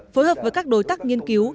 phối hợp với các đối tác nghiên cứu